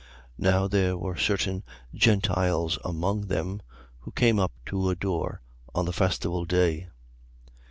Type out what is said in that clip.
12:20. Now there were certain Gentiles among them, who came up to adore on the festival day.